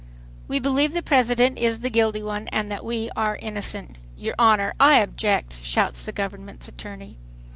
"We believe the President is the guilty one and that we are innocent." "Your Honor, I object," shouts the Government's attorney.